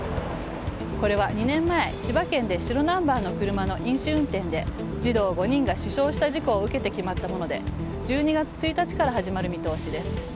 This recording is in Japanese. これは２年前、千葉県で白ナンバーの車の飲酒運転で児童５人が死傷した事故を受けて決まったもので１２月１日から始まる見通しです。